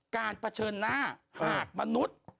เผชิญหน้าหากมนุษย์